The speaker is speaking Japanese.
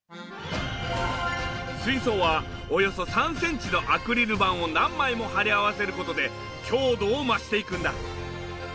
水槽はおよそ３センチのアクリル板を何枚も張り合わせる事で強度を増していくんだ。